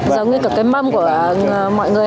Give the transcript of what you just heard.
giống như cái mâm của mọi người